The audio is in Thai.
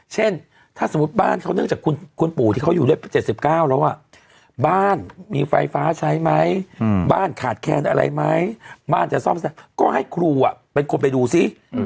เช่นถ้าสมมุติบ้านเขาเนื่องจากคุณปู่ที่เขาอยู่ด้วย๗๙แล้วบ้านมีไฟฟ้าใช้ไหมบ้านขาดแคลนอะไรไหมบ้านจะซ่อมแซมก็ให้ครูเป็นคนไปดูซิ